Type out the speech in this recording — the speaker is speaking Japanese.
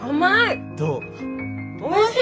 おいしい！